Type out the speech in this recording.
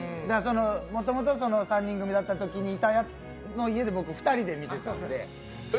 もともと３人組のときにいたやつと僕、２人で見てたんで。